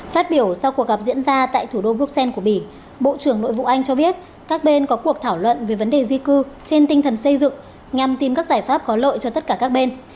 phát biểu sau cuộc gặp diễn ra tại thủ đô bruxelles của bỉ bộ trưởng nội vụ anh cho biết các bên có cuộc thảo luận về vấn đề di cư trên tinh thần xây dựng nhằm tìm các giải pháp có lợi cho tất cả các bên